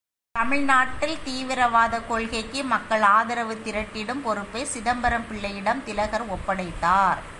தமிழ்நாட்டில் தீவிரவாத கொள்கைக்கு மக்கள் ஆதரவு திரட்டிடும் பொறுப்பை சிதம்பரம் பிள்ளையிடம் திலகர் ஒப்படைத்தார்.